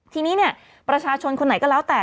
ทีนี้เนี่ยประชาชนคนไหนก็แล้วแต่